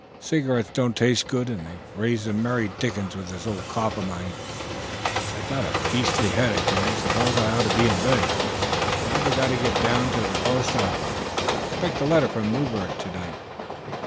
"Cigarettes don't taste good, and they raise the merry dickens with this old cough of mine. I've got a beastly headache, and I suppose I ought to be in bed, but I've got to go down to the postoffice. Expect a letter from Newbert to night."